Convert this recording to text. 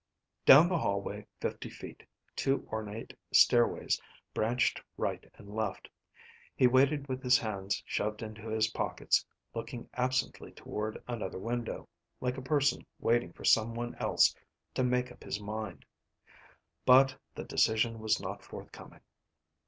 Down the hallway fifty feet, two ornate stairways branched right and left. He waited with his hands shoved into his pockets, looking absently toward another window, like a person waiting for someone else to make up his mind. But the decision was not forthcoming.